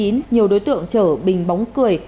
nhiều đối tượng chở bình bóng cười